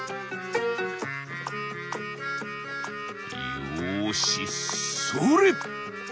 「よしそれ！